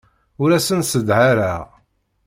Ur asen-sseḍhareɣ.